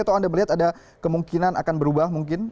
atau anda melihat ada kemungkinan akan berubah mungkin